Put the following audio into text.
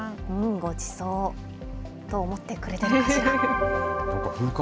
ごちそうと思ってくれてるかしら。